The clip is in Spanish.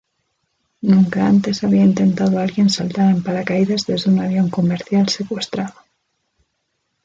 Nunca antes había intentado alguien saltar en paracaídas desde un avión comercial secuestrado.